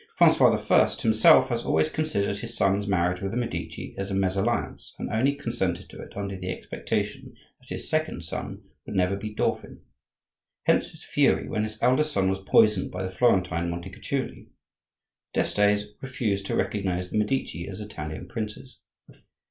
Francois I. himself has always considered his son's marriage with a Medici as a mesalliance, and only consented to it under the expectation that his second son would never be dauphin. Hence his fury when his eldest son was poisoned by the Florentine Montecuculi. The d'Estes refused to recognize the Medici as Italian princes.